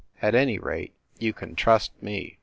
At any rate, you can trust me!"